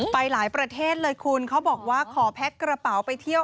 ไปหลายประเทศเลยคุณเขาบอกว่าขอแพ็คกระเป๋าไปเที่ยว